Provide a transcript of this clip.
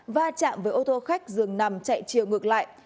va chạm với ô tô khách dường nằm chạy chiều ngược lại